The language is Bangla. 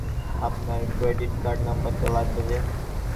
আপনার ক্রেডিটকার্ড নাম্বারটা লাগবে যে!